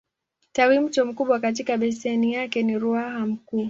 Tawimto mkubwa katika beseni yake ni Ruaha Mkuu.